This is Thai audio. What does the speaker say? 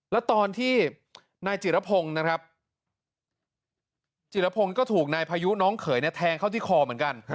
แล้วตอนที่นายจิรพงศ์นะครับจิรพงศ์ก็ถูกนายพายุน้องเขยแทงเข้าที่คอเหมือนกัน